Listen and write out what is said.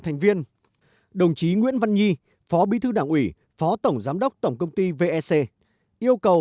thành viên đồng chí nguyễn văn nhi phó bí thư đảng ủy phó tổng giám đốc tổng công ty vec yêu cầu